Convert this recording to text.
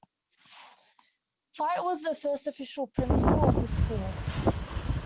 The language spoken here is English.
Fite was the first official principal of the school.